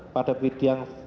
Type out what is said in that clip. pada bidang farmakologi